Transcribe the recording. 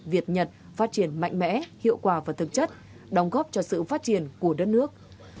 việt nhật phát triển mạnh mẽ hiệu quả và thực chất đóng góp cho sự phát triển của đất nước